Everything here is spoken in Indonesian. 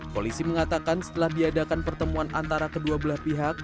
polisi mengatakan setelah diadakan pertemuan antara kedua belah pihak